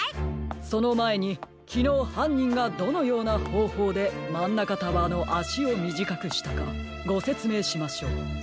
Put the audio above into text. そのまえにきのうはんにんがどのようなほうほうでマンナカタワーのあしをみじかくしたかごせつめいしましょう。